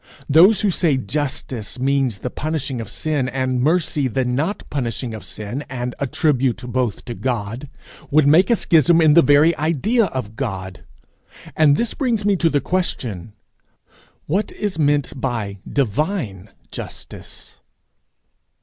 Those who say justice means the punishing of sin, and mercy the not punishing of sin, and attribute both to God, would make a schism in the very idea of God. And this brings me to the question, What is meant by divine justice?